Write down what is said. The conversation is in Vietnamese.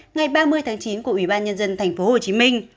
ngày ba mươi chín của ủy ban nhân dân tp hcm